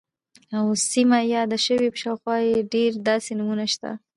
او سیمه یاده شوې، په شاوخوا کې یې ډیر داسې نومونه شته،